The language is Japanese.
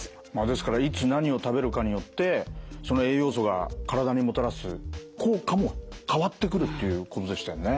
ですからいつ何を食べるかによってその栄養素が体にもたらす効果も変わってくるっていうことでしたよね。